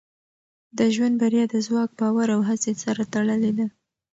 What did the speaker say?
د ژوند بریا د ځواک، باور او هڅې سره تړلې ده.